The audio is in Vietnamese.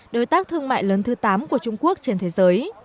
đối tác thương mại lớn thứ tám của trung quốc trên thế giới